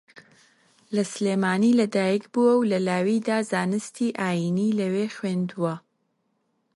لە سلێمانی لەدایکبووە و لە لاویدا زانستی ئایینی لەوێ خوێندووە